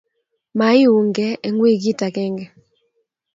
Maiunge eng wiikit agenge